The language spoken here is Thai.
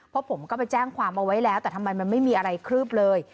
เพราะผมก็ไปแจ้งความเอาไว้แล้วแต่ทำไมมันไม่มีอะไรคืบเลย